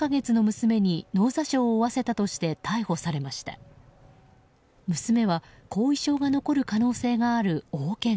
娘は後遺症が残る可能性がある大けが。